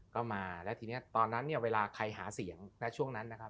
ก็มาแล้วทีนี้ตอนนั้นเนี่ยเวลาใครหาเสียงนะช่วงนั้นนะครับ